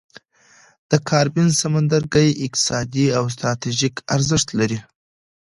د کارابین سمندرګي اقتصادي او ستراتیژیکي ارزښت لري.